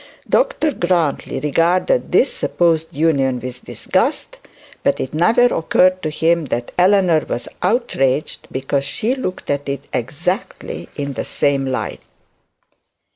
Dr Grantly regarded this supposed union with disgust; but it never occurred to him that Eleanor was outraged, because she looked at it exactly in the same light.